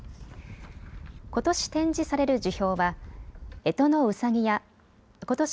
ことし展示される樹氷は、えとのうさぎやことし